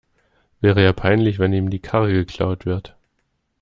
Wäre ja peinlich, wenn ihm die Karre geklaut wird.